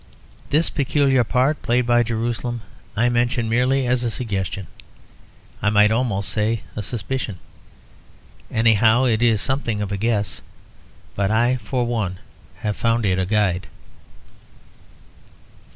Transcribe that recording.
This peculiar part played by Jerusalem I mention merely as a suggestion; I might almost say a suspicion. Anyhow, it is something of a guess; but I for one have found it a guide.